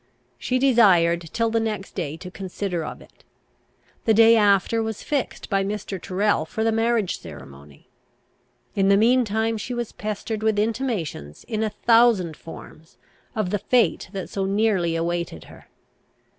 She desired till the next day to consider of it. The day after was fixed by Mr. Tyrrel for the marriage ceremony. In the mean time she was pestered with intimations, in a thousand forms, of the fate that so nearly awaited her.